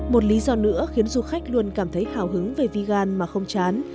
một lý do nữa khiến du khách luôn cảm thấy hào hứng về vigan mà không chán